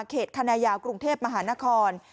เขตธนายากรุงเทพมหานคร